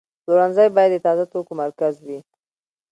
پلورنځی باید د تازه توکو مرکز وي.